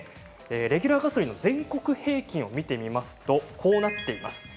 レギュラーガソリンの全国平均を見てみますとこうなっています。